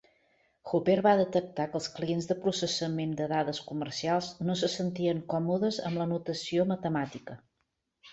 Hopper va detectar que els clients de processament de dades comercials no se sentien còmodes amb la notació matemàtica.